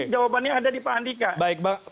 jawabannya ada di pak andika